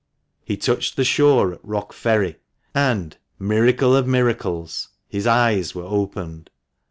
He touched the shore at Rock Ferry, and — miracle of miracles !— his eyes were opened.